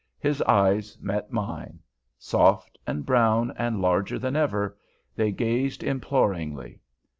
His eyes met mine. Soft and brown, and larger than ever, they gazed imploringly.